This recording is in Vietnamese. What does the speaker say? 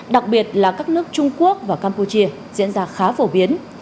đặc biệt là các nước trung quốc và campuchia diễn ra khá phổ biến